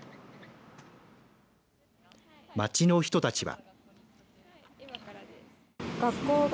街の人たちは。